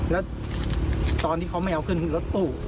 แล้วตอนที่เขาไม่เอาขึ้นรถตู้